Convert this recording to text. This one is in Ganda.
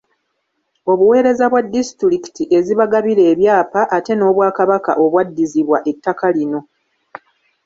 Obuweereza bwa disitulikiti ezibagabira ebyapa ate n’Obwakabaka obwaddizibwa ettaka lino.